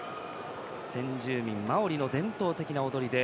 先住民マオリの伝統的な踊りで